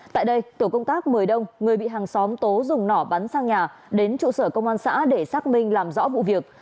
tại đây tổ công tác mời đông người bị hàng xóm tố dùng nỏ bắn sang nhà đến trụ sở công an xã để xác minh làm rõ vụ việc